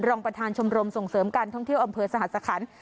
รองประธานชมรมส่งเสริมการท่องเที่ยวอำเภอสหสคัญ